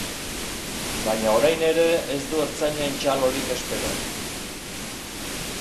Baina orain ere ez du ertzainen txalorik espero.